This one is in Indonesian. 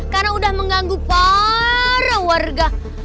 karena udah mengganggu para warga